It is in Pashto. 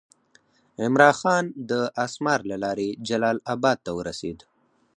عمرا خان د اسمار له لارې جلال آباد ته ورسېد.